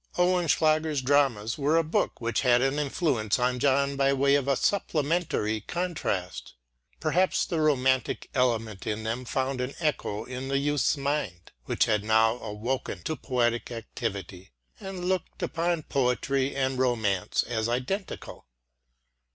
Oehlenschläger's dramas were a book which had an influence on John by way of a supplementary contrast. Perhaps the romantic element in them found an echo in the youth's mind, which had now awoken* to poetic activity, and looked upon poetry and romance as identical.